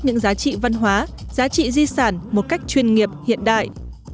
những giá trị văn hóa giá trị di sản một cách chuyên nghiệp hiện đại